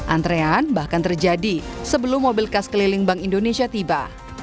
antrean bahkan terjadi sebelum mobil khas keliling bank indonesia tiba